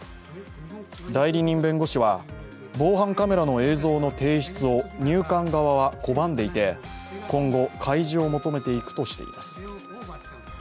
代理人弁護士は、防犯カメラの映像の提出を入管側は拒んでいて、今後、開示を求めていくとしています。